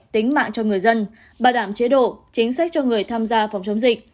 tính mạng cho người dân bảo đảm chế độ chính sách cho người tham gia phòng chống dịch